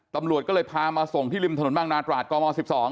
ตำรวจก็เลยพามาส่งที่ริมถนนบางนาตราดกม๑๒